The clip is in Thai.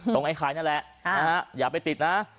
ไอ้ไข่นั่นแหละอย่าไปติดนะ